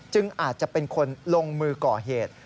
อาจจะเป็นคนลงมือก่อเหตุ